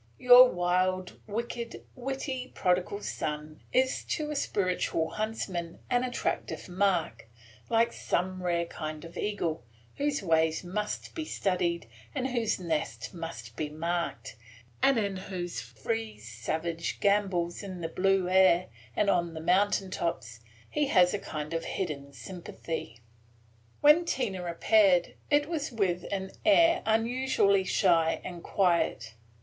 Your wild, wicked, witty prodigal son is to a spiritual huntsman an attractive mark, like some rare kind of eagle, whose ways must be studied, and whose nest must be marked, and in whose free, savage gambols in the blue air and on the mountain tops he has a kind of hidden sympathy. When Tina appeared, it was with an air unusually shy and quiet.